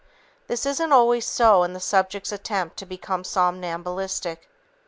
This isn't always so in a subject's attempt to become somnambulistic.